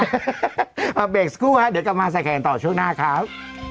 เอาเบรกสักครู่ฮะเดี๋ยวกลับมาใส่แขนต่อช่วงหน้าครับ